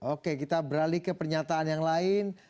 oke kita beralih ke pernyataan yang lain